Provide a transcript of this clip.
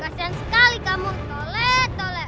kasian sekali kamu tole tole